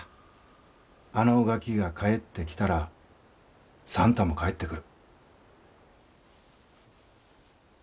あのガキが帰ってきたら算太も帰ってくる。